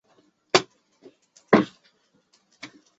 高斯帕县是美国内布拉斯加州南部的一个县。